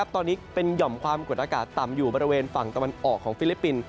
ตอนนี้เป็นหย่อมความกดอากาศต่ำอยู่บริเวณฝั่งตะวันออกของฟิลิปปินส์